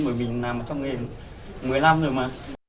bởi mình làm trong nghề một mươi năm rồi mà